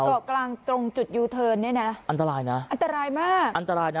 เกาะกลางตรงจุดยูเทิร์นเนี่ยนะอันตรายนะอันตรายมากอันตรายนะ